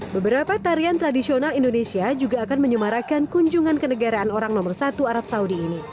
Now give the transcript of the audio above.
beberapa tarian tradisional indonesia juga akan menyemarakan kunjungan ke negaraan orang nomor satu arab saudi ini